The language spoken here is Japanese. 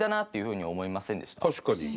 確かに。